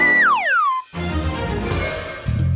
terima kasih pak